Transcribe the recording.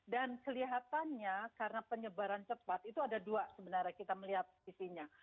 dan kelihatannya karena penyebaran cepat itu ada dua sebenarnya kita melihat isinya